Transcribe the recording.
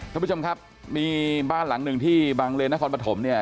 ท่านผู้ชมครับมีบ้านหลังหนึ่งที่บางเลนนครปฐมเนี่ย